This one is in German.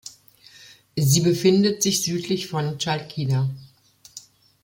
Sie befindet sich südlich von Chalkida.